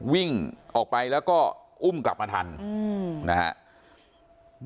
วิ่งออกไปแล้วก็อุ้มกลับมาทันนะครับ